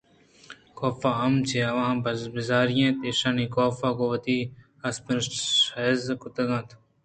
کاف ہم چہ آواں بیزاری اَت ایشاں کاف گوں وتی سبکیاں شِزار کُتگ اَت